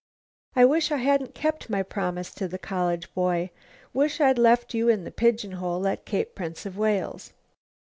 I wish I hadn't kept my promise to the college boy; wish I'd left you in the pigeon hole at Cape Prince of Wales."